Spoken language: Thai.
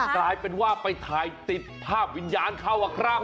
กลายเป็นว่าไปถ่ายติดภาพวิญญาณเข้าอะครับ